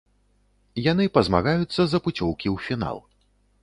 Яны пазмагаюцца за пуцёўкі ў фінал.